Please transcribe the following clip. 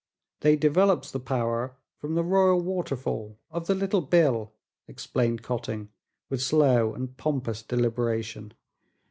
"They develops the power from the Royal Waterfall of the Little Bill," explained Cotting, with slow and pompous deliberation.